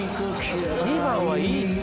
２番はいいって。